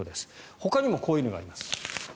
ほかにもこういうのがあります。